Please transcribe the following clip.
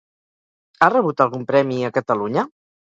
Ha rebut algun premi a Catalunya?